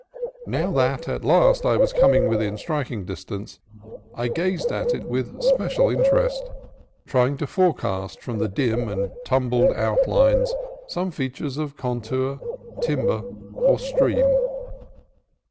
Now that at last it was coming within striking distance, I gazed at it with special interest, trying to forecast from the dim and tumbled outlines some features of con tour, timber, or stream.